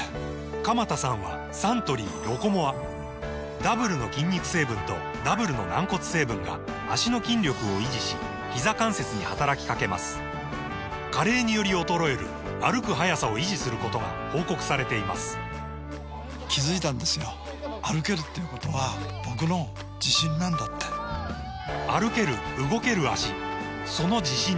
鎌田さんはサントリー「ロコモア」ダブルの筋肉成分とダブルの軟骨成分が脚の筋力を維持しひざ関節に働きかけます加齢により衰える歩く速さを維持することが報告されています歩ける動ける脚その自信に筋肉成分と軟骨成分